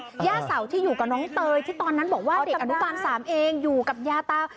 ย่าเสาร์ที่อยู่กับน้องเตยที่ตอนนั้นบอกว่าเด็กอาจารย์สามเอง